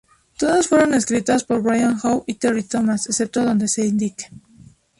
Todas fueron escritas por Brian Howe y Terry Thomas, excepto donde se indique.